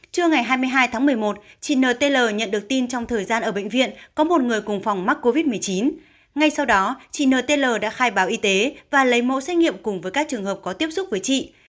trưa ngày hai mươi hai tháng một mươi một chị n t l nhận được tin trong thời gian ở bệnh viện có một người cùng phòng mắc covid một mươi chín ngay sau đó chị n t l đã khai báo y tế và lấy mẫu xét nghiệm cùng với các trường hợp có tiếp xúc với chị